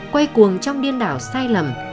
quay cuồng trong điên đảo sai lầm